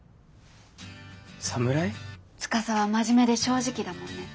司は真面目で正直だもんね。